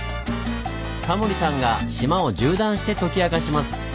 タモリさんが島を縦断して解き明かします。